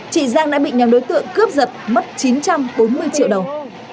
chị giang đã bị nhóm đối tượng cướp giật mất chín trăm linh tỷ đồng